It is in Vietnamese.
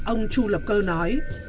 ông chu lập cơ nói